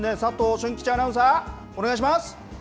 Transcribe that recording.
俊吉アナウンサー、お願いします。